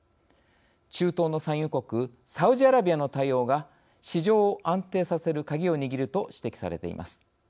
中東の産油国サウジアラビアの対応が市場を安定させるカギを握ると指摘されています。